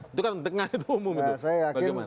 itu kan di tengah itu umum gitu